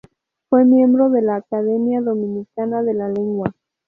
Fue miembro de la Academia Dominicana de la Lengua.